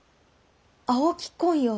青木昆陽。